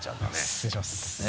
失礼します。